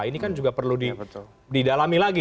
ini kan juga perlu didalami lagi